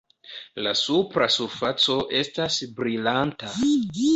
La supra surfaco estas brilanta.